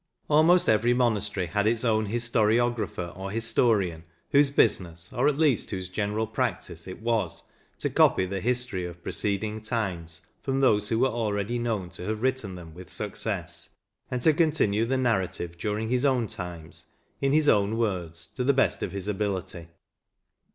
"Almost every monastery had its own historio grapher or historian, whose business, or, at leasts whose general practice, it was to copy the history of preceding times from those who were abeady known to have written them with success, and to continue the narrative during his own times, in his own words, to the best of his ability."